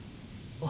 あ！